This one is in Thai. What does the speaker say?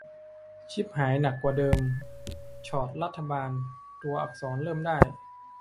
ฉิบหายหนักกว่าเดิม ฉอดรัฐบาล ตัวอักษร เริ่มได้